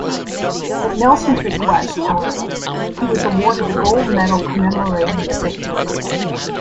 At Nelson's request, however, he was awarded the gold medal commemorating the victory.